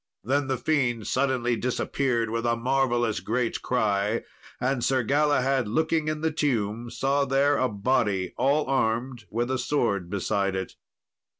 ] Then the fiend suddenly disappeared with a marvellous great cry; and Sir Galahad, looking in the tomb, saw there a body all armed, with a sword beside it.